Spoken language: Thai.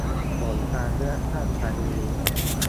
ผลการเลือกตั้งครั้งนี้